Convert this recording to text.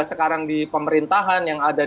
sekarang di pemerintahan yang ada